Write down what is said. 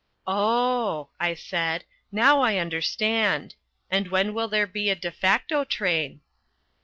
"Oh," I said. "Now I understand. And when will there be a de facto train?"